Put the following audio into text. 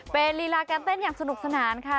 เป็นลีลาการเต้นอย่างสนุกสนานค่ะ